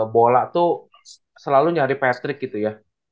bola tuh selalu nyari patrick gitu ya